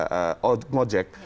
ketika insinyur jadi mojek